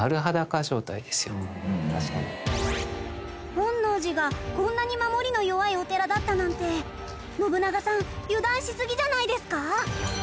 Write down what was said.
本能寺がこんなに守りが弱いお寺だったなんて信長さん油断しすぎじゃないですか？